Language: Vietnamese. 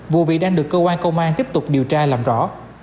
vụ việc đang được cơ quan công an tiếp tục điều tra làm rõ